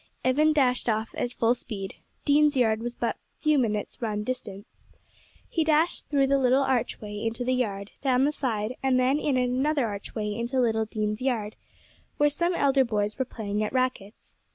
Evan dashed off at full speed. Dean's Yard was but a few minutes' run distant. He dashed through the little archway into the yard, down the side, and then in at another archway into Little Dean's Yard, where some elder boys were playing at racquets.